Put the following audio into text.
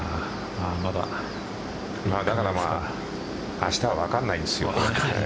明日は分からないんですよ。